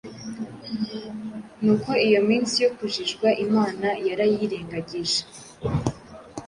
Nuko iyo minsi yo kujijwa Imana yarayirengagije;